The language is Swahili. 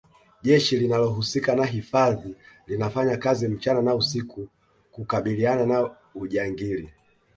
jeshi linalohusika na hifadhi linafanya kazi mchana na usiku kukabililiana na ujangili